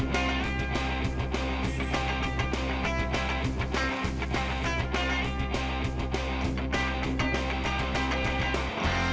kejar dua ini bagaimana